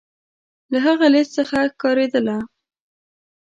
له هغه لیست څخه ښکارېدله.